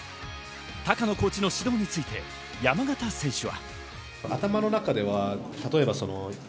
高野コーチの指導について山縣選手は。